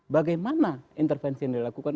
bagaimana intervensi yang dilakukan